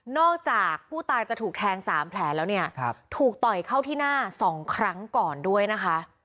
จากผู้ตายจะถูกแทง๓แผลแล้วเนี่ยถูกต่อยเข้าที่หน้า๒ครั้งก่อนด้วยนะคะ